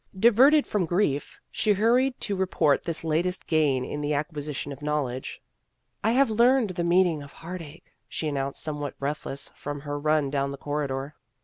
Diverted from grief, she hurried to report this latest gain in the acquisition of knowledge. " I have learned the meaning of heartache," she announced, somewhat breathless from her run down the corridor.